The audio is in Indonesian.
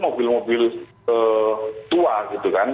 mobil mobil tua gitu kan